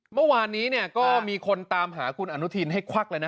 เมื่อวานนี้ก็มีคนตามหาคุณอนุทินให้ควักเลยนะ